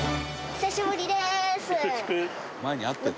お久しぶりです。